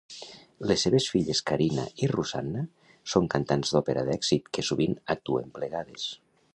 Les seves filles Karina i Ruzanna són cantants d'òpera d'èxit que sovint actuen plegades.